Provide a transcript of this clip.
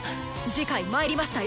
次回「魔入りました！